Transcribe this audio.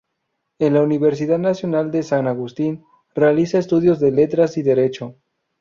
En la Universidad Nacional de San Agustín realiza estudios de Letras y Derecho.